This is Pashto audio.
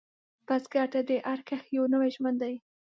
بزګر ته هر کښت یو نوی ژوند دی